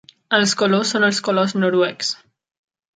Els colors són els colors noruecs.